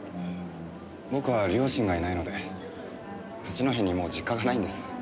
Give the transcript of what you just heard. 僕は両親がいないので八戸にもう実家がないんです。